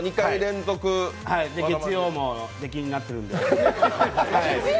月曜も出禁になってるんで。